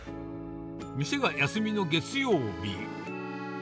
店が休みの月曜日。